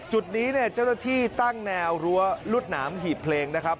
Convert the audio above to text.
จุดนี้เนี่ยเจ้าหน้าที่ตั้งแนวรั้วรวดหนามหีบเพลงนะครับ